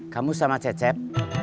kamu sama cecep